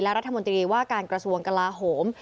รัฐมนตรีว่าการกระทรวงกลาโหม